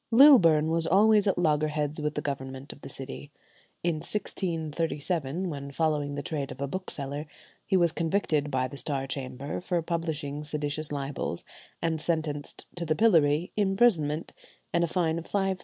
Lilburne was always at loggerheads with the government of the city. In 1637, when following the trade of a bookseller, he was convicted by the Star Chamber for publishing seditious libels, and sentenced to the pillory, imprisonment, and a fine of £5,000.